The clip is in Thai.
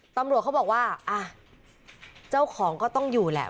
ตำรวจเขาบอกว่าอ่ะเจ้าของก็ต้องอยู่แหละ